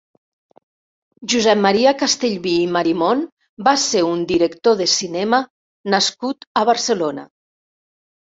Josep Maria Castellví i Marimon va ser un director de cinema nascut a Barcelona.